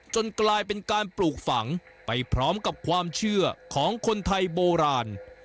กลายเป็นการปลูกฝังไปพร้อมกับความเชื่อของคนไทยโบราณ